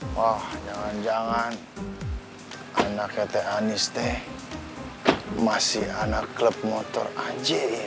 wah jangan jangan anaknya teh hanis teh masih anak klub motor aja ya